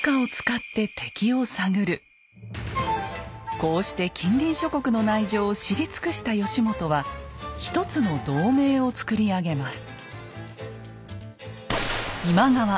こうして近隣諸国の内情を知り尽くした義元は一つの同盟を作り上げます。